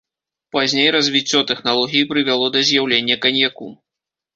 Пазней развіццё тэхналогіі прывяло да з'яўлення каньяку.